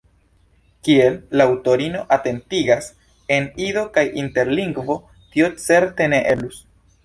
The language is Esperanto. Kiel la aŭtorino atentigas, en Ido kaj Interlingvo tio certe ne eblus.